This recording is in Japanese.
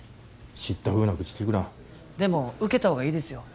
知ったふうな口きくなでも受けたほうがいいですよ